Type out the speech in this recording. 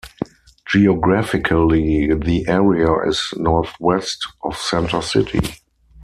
Geographically, the area is northwest of Center City.